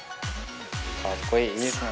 カッコいいいいですね。